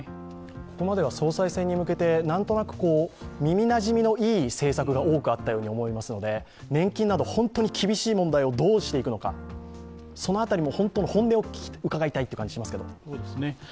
ここまでは総裁選に向けて耳なじみのいい政策が多くあったように思いますので、年金など本当に厳しい問題をどうしていくのか、その辺りも本音を伺いたいという感じがしますけど。